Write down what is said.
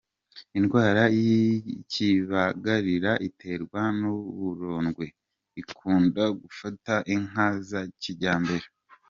Indwara y’ikibagarira iterwa n’uburondwe, ikunda gufata inka za kijyambere.